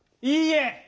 いいえ。